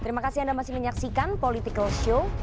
terima kasih anda masih menyaksikan political show